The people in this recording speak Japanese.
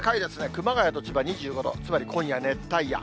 熊谷と千葉２５度、つまり今夜、熱帯夜。